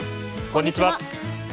こんにちは。